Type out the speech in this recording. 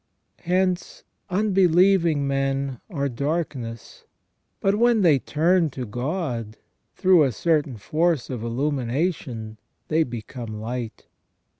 Hence, unbelieving men are darkness, but when they turn to God, through a certain force of illumination they become light.